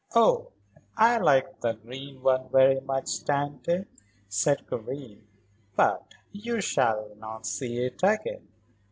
"Oh, I like the green one very much, Tante," said Karen. "But you shall not see it again."